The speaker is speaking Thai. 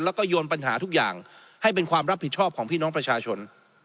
แล้วก็โยนปัญหาทุกอย่างให้เป็นความรับผิดชอบของพี่น้องประชาชน